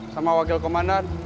sama wakil komandan